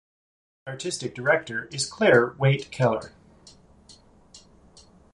Its current artistic director is Clare Waight Keller.